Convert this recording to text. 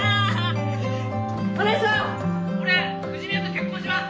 金井さん俺藤宮と結婚します！